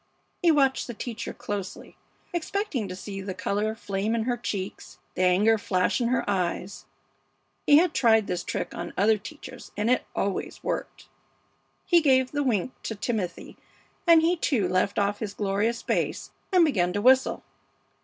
He watched the teacher closely, expecting to see the color flame in her cheeks, the anger flash in her eyes; he had tried this trick on other teachers and it always worked. He gave the wink to Timothy, and he too left off his glorious bass and began to whistle.